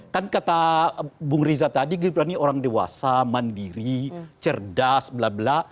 kan kata bung riza tadi gibran ini orang dewasa mandiri cerdas bla bla